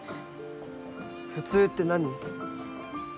普通って何？